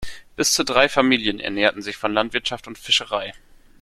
Bis zu drei Familien ernährten sich von Landwirtschaft und Fischerei.